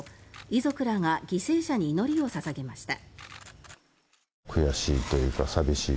遺族らが犠牲者に祈りを捧げました。